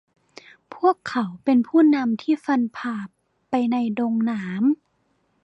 พวกเขาเป็นผู้นำที่ฟันผ่าไปในดงหนาม